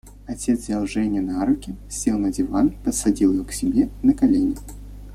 Отец взял Женю на руки, сел на диван, посадил ее к себе на колени.